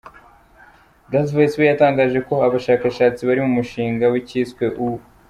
Graves we yatangaje ko abashakashatsi bari mu mushinga w’icyiswe’ U.